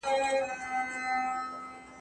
سوي دي او د ښارونو په ژوند کي یې د پښتنو په